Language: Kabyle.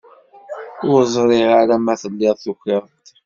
Ur ẓriɣ ara ma telliḍ tukiḍ-d.